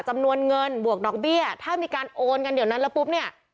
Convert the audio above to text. จำนวนเงินบวกดอกเบี้ยถ้ามีการโอนกันเดี๋ยวนั้นแล้วปุ๊บเนี่ย